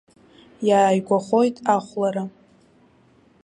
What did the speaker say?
Иааигәахоит ахәлара.